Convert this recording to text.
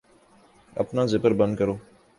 اپنا زپر بند کرو